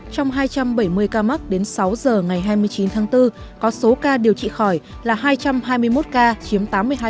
trong hai trăm bảy mươi ca mắc đến sáu giờ ngày hai mươi chín tháng bốn có số ca điều trị khỏi là hai trăm hai mươi một ca chiếm tám mươi hai